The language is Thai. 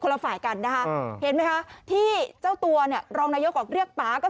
คือเอาอย่างนี้คุณผู้ชมในคลิปเนี่ยบางคนไม่ได้ดูตั้งแต่ต้นเนี่ยอาจจะงงนะฮะ